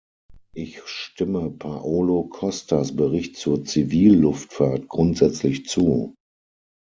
Ich stimme Paolo Costas Bericht zur Zivilluftfahrt grundsätzlich zu.